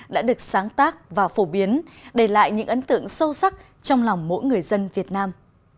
đã được sáng tác và phổ biến để lại những ấn tượng sâu sắc trong lòng mỗi người dân việt nam